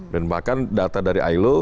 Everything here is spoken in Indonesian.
dan bahkan data dari ilo